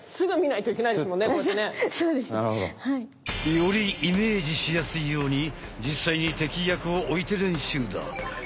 なるほど。よりイメージしやすいように実際に敵役をおいて練習だ。